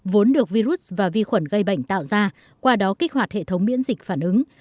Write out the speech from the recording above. vốn được virus và vi khuẩn gây bệnh tạo ra qua đó kích hoạt hệ thống miễn dịch phản ứng